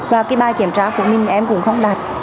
và cái bài kiểm tra của mình em cũng không đạt